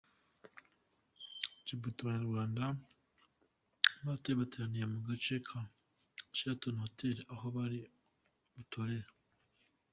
Djibuti: Abanyarwanda bahatuye bateraniye mu gace ka Sheraton Hotel aho bari butorere.